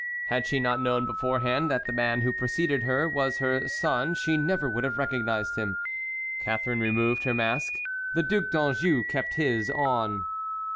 Had she not known beforehand that the man who had preceded her was her son she never would have recognized him. Catharine removed her mask; the Duc d'Anjou kept his on.